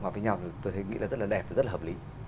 vào với nhau tôi nghĩ là rất là đẹp rất là hợp lý